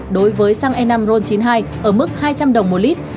đối với xăng e năm ron chín mươi hai ở mức hai trăm linh đồng một lít